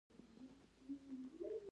دا اجتماعي نابرابري ده.